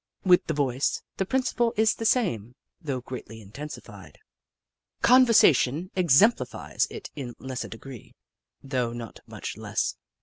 With the voice, the principle is the same, though greatly intensified. Conversation exem plifies it in lesser degree, though not much less.